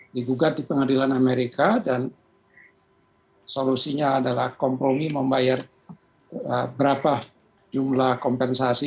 digugat di pengadilan amerika dan solusinya adalah kompromi membayar berapa jumlah kompensasi